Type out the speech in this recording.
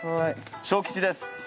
小吉です